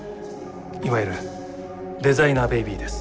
いわゆるデザイナーベビーです。